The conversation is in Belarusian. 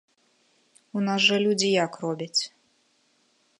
У нас жа людзі як робяць?